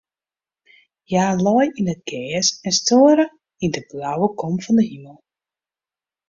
Hja lei yn it gers en stoarre yn de blauwe kom fan de himel.